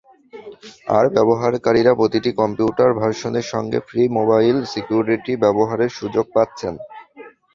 আর ব্যবহারকারীরা প্রতিটি কম্পিউটার ভার্সনের সঙ্গে ফ্রি মোবাইল সিকিউরিটিও ব্যবহারের সুযোগ পাচ্ছেন।